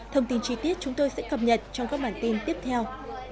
thông tin chi tiết chúng tôi sẽ cập nhật trong các bản tin tiếp theo